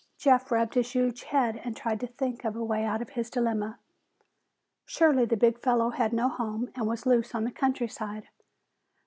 Jeff rubbed his huge head and tried to think a way out of his dilemma. Surely the big fellow had no home and was loose on the countryside.